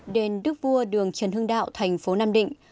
đền đức vua đường trần hưng đạo thành phố nam định